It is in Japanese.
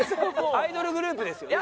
アイドルグループですよね？